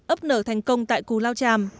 ấp nở thành công tại cù lao chàm